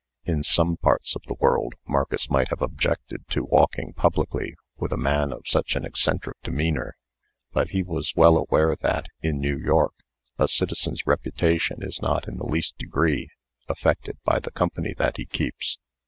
In some parts of the world, Marcus might have objected to walking publicly with a man of such an eccentric demeanor. But he was well aware that, in New York, a citizen's reputation is not in the least degree affected by the company that he keeps.